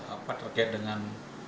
apa terkait dengan